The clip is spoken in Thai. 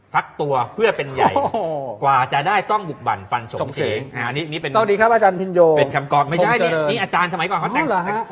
พักตัวเพื่อเป็นใหญ่กว่าจะได้ต้องบุกบั่นฟันโฉงเฉง